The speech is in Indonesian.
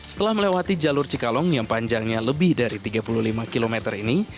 setelah melewati jalur cikalong yang panjangnya lebih dari tiga puluh lima km ini